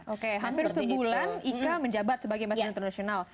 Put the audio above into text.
oke hampir sebulan ika menjabat sebagai mbak miss international